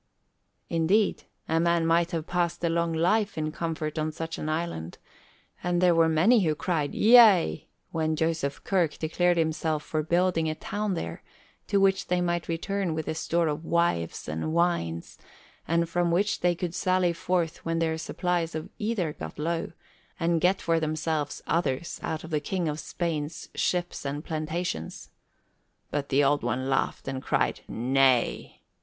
Indeed, a man might have passed a long life in comfort on such an island, and there were many who cried yea, when Joseph Kirk declared himself for building a town there, to which they might return with a store of wives and wines, and from which they could sally forth when their supplies of either got low, and get for themselves others out of the King of Spain's ships and plantations. But the Old One laughed and cried nay.